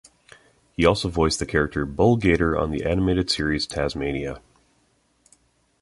He also voiced the character Bull Gator on the animated series "Taz-Mania".